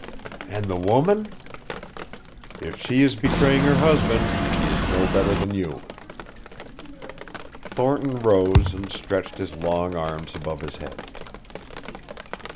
"And the woman?" "If she is betraying her husband, she is no better than you." Thornton rose and stretched his long arms above his head.